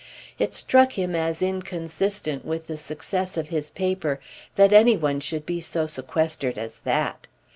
It struck him as inconsistent with the success of his paper that any one should be so sequestered as that.